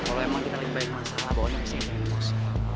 kalo emang kita lebih banyak masalah bahwa nangisnya yang paling emos